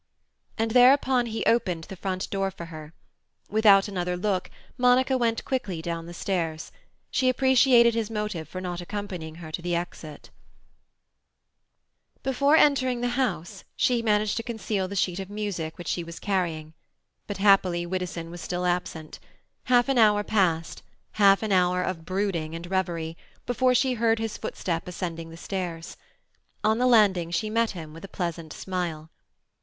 And thereupon he opened the front door for her. Without another look Monica went quickly down the stairs; she appreciated his motive for not accompanying her to the exit. Before entering the house she had managed to conceal the sheet of music which she was carrying. But, happily, Widdowson was still absent. Half an hour passed—half an hour of brooding and reverie—before she heard his footstep ascending the stairs. On the landing she met him with a pleasant smile.